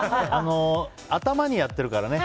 頭にやってるからね。